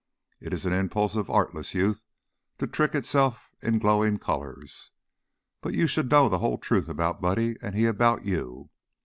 It is an impulse of artless youth to trick itself in glowing colors, but you should know the whole truth about Buddy and he about you.